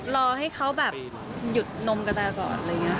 รอให้เขาแบบหยุดนมกระแตก่อนอะไรอย่างนี้ค่ะ